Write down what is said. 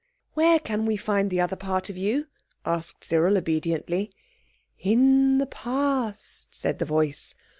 "Where can we find the other part of you?" asked Cyril obediently. "In the Past," said the voice.